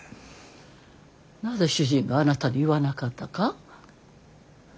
なぜ主人があなたに言わなかったか？